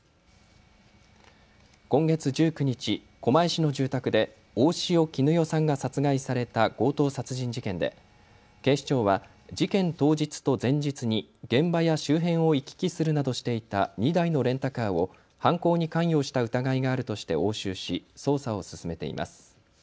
今月１９日、狛江市の住宅で大塩衣與さんが殺害された強盗殺人事件で警視庁は事件当日と前日に現場や周辺を行き来するなどしていた２台のレンタカーを犯行に関与した疑いがあるとして押収し捜査を進めています。